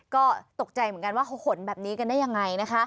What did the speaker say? ก็ตกใจเหมือนกันว่าเขาขนแบบนี้กันได้ยังไงนะคะ